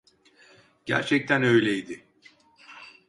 Gerçekten öyleydi.